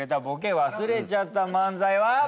ボケ忘れちゃった漫才は。